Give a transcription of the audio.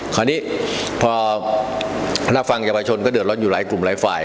คราวนี้พอหน้าฟังเยี่ยมประชนก็เดือดร้อนอยู่หลายกลุ่มหลายฝ่าย